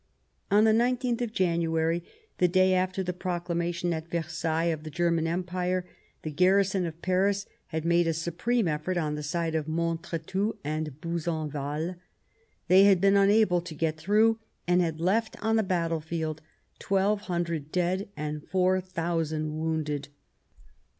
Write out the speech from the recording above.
On the 19th of January, the day after the pro clamation at Versailles of the German Empire, the garrison of Paris had rnade a supreme effort on the side of Montretout and Buzenval ; they had been unable to get through and had left on the battle field twelve hundred dead and four thousand wounded.